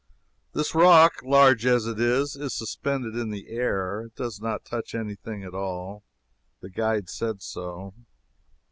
This rock, large as it is, is suspended in the air. It does not touch any thing at all. The guide said so.